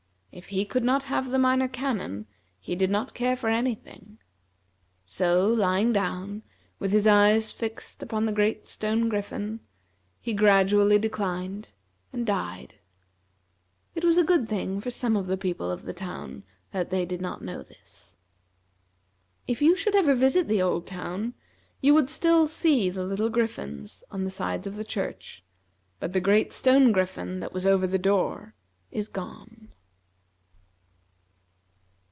If he could not have the Minor Canon, he did not care for any thing. So, lying down, with his eyes fixed upon the great stone griffin, he gradually declined, and died. It was a good thing for some of the people of the town that they did not know this. If you should ever visit the old town, you would still see the little griffins on the sides of the church; but the great stone griffin that was over the door is gone.